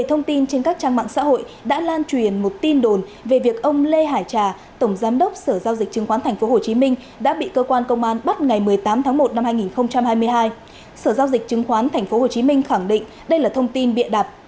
sở giao dịch chứng khoán tp hcm khẳng định đây là thông tin bịa đạp